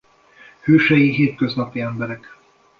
Hősei hétköznapi emberek.